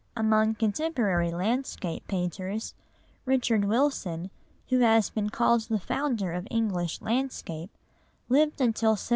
Among contemporary landscape painters, Richard Wilson, who has been called "the founder of English Landscape," lived until 1782.